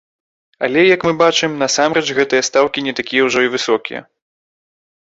Але, як мы бачым, насамрэч гэтыя стаўкі не такія ўжо і высокія.